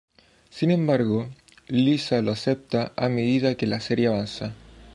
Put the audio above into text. Sin embargo, Lisa lo acepta a medida que la serie avanza.